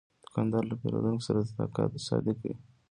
دوکاندار له پیرودونکو سره صادق وي.